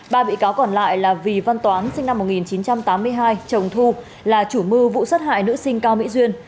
ba bị cáo còn lại là vì văn toán sinh năm một nghìn chín trăm tám mươi hai chồng thu là chủ mưu vụ sát hại nữ sinh cao mỹ duyên